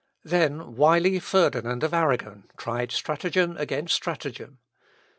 Then wily Ferdinand of Arragon tried stratagem against stratagem.